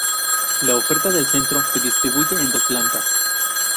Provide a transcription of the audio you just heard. La oferta del centro se distribuye en dos plantas.